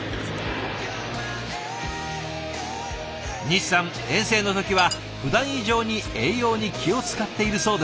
西さん遠征の時はふだん以上に栄養に気を遣っているそうです。